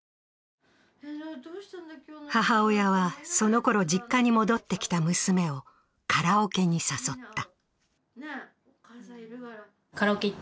母親は、その頃、実家に戻ってきた娘をカラオケに誘った。